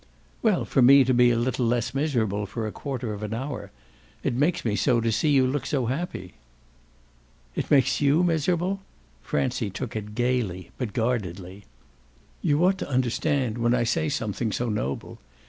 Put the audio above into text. "Well, for me to be a little less miserable for a quarter of an hour. It makes me so to see you look so happy." "It makes you miserable?" Francie took it gaily but guardedly. "You ought to understand when I say something so noble."